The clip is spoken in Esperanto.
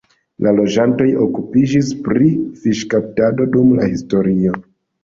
La loĝantoj okupiĝis pri fiŝkaptado dum la historio.